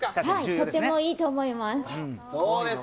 とてもいいと思います。